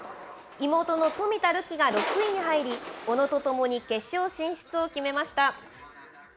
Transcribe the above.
妹の冨田るきが６位に入り、小野とともに決勝進出を決めました。